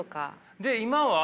で今は？